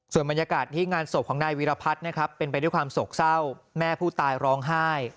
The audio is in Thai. ส่วนบรรยากาศที่งานศพของนายวีรพัฒน์นะครับเป็นไปด้วยความโศกเศร้าแม่ผู้ตายร้องไห้